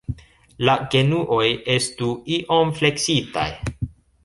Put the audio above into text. La genuoj estu iom fleksitaj.